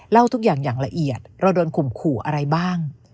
เล่าทุกอย่างอย่างละเอียดเราโดนข่มขู่อะไรบ้าง